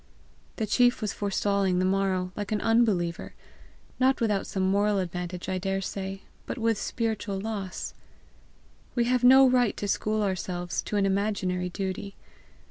The chief was forestalling the morrow like an unbeliever not without some moral advantage, I dare say, but with spiritual loss. We have no right to school ourselves to an imaginary duty.